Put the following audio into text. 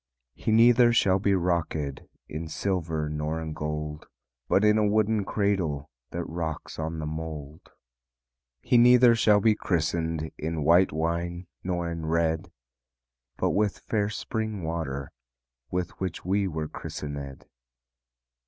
"He neither shall be rockéd In silver nor in gold, But in a wooden cradle That rocks on the mould. "He neither shall be christened In white wine nor in red, But with fair spring water With which we were christenéd."